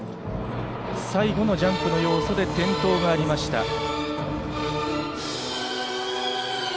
最後のジャンプの要素で転倒がありました。